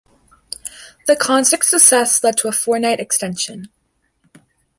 The concert's success led to a four-night extension.